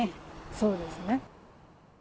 そうですね。